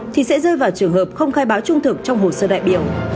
thì sẽ rơi vào trường hợp không khai báo trung thực trong hồ sơ đại biểu